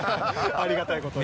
ありがたいことに。